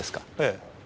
ええ。